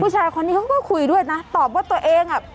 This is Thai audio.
ชายคนนี้เขาก็คุยด้วยนะตอบว่าตัวเองอ่ะ